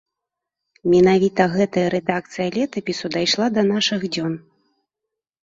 Менавіта гэтая рэдакцыя летапісу дайшла да нашых дзён.